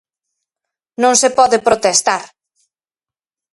Non se pode protestar.